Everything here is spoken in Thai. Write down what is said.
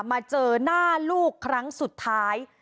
มาเจอหน้าลูกครั้งสุดท้าย